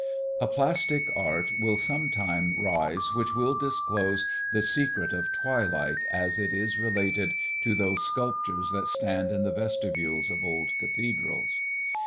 A plastic art will some time rise which will disclose the secret of twilight as it is related to those sculptures that stand in the vestibules of old cathedrals.